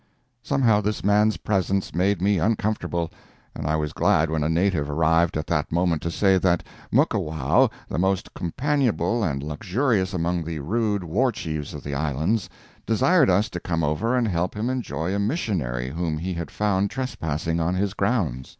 Somehow this man's presence made me uncomfortable, and I was glad when a native arrived at that moment to say that Muckawow, the most companionable and luxurious among the rude war chiefs of the Islands, desired us to come over and help him enjoy a missionary whom he had found trespassing on his grounds.